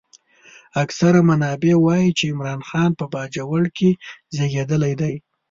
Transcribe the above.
اکثر منابع وايي چې عمرا خان په باجوړ کې زېږېدلی دی.